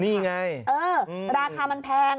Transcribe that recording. นี่ไงเออราคามันแพง